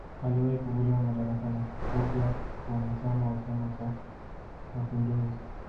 Aliwahi kuvuliwa madaraka na kufutwa uanachama wa chama cha mapinduzi